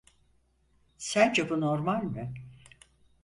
Sence bu normal mi?